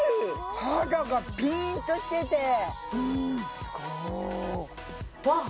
肌がピーンとしててうんすごわっ！